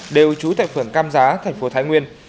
đều trú tại phường cam giá tp thái nguyên